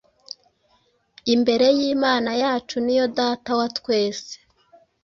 imbere y’Imana yacu ni yo Data wa twese.”